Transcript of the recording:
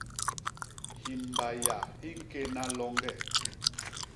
Himbaya hi ñkéna loñge.